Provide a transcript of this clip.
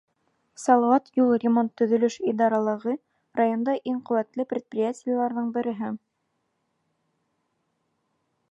Салауат юл ремонт-төҙөлөш идаралығы — районда иң ҡеүәтле предприятиеларҙың береһе.